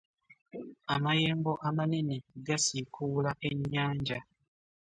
Amayengo amanene gasikuula ennyanja .